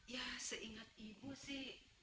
ya seingat ibu sih